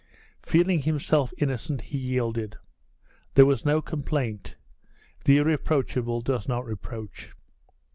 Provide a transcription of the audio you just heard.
Feeling himself innocent, he yielded. There was no complaint the irreproachable does not reproach.